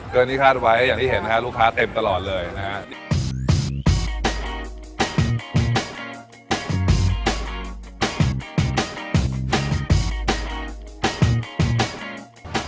เกินที่คาดไว้อย่างที่เห็นลูกค้าเต็มตลอดเลยนะฮะ